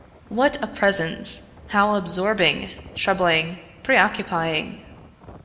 What a presence how absorbing, troubling, preoccupying!